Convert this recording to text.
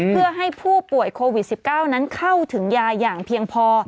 เพื่อให้ผู้ป่วยโควิด๑๙นั้นเข้าถึงยาอย่างเพียงพอ